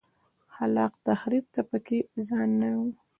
خلاق تخریب ته په کې ځای نه و.